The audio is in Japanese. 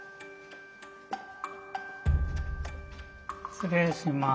失礼します。